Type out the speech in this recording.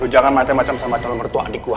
lu jangan macam macam sama calon mertua adik gua